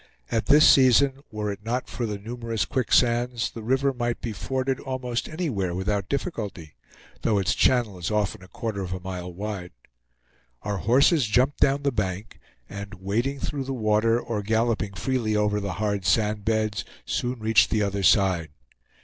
At this season, were it not for the numerous quicksands, the river might be forded almost anywhere without difficulty, though its channel is often a quarter of a mile wide. Our horses jumped down the bank, and wading through the water, or galloping freely over the hard sand beds, soon reached the other side.